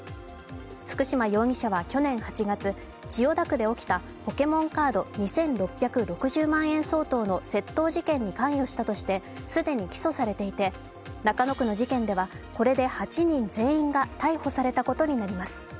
福嶋容疑者は去年８月千代田区で起きたポケモンカード２６６０万円相当の窃盗事件に関与したとして既に起訴されていて中野区の事件ではこれで８人全員が逮捕されたことになります。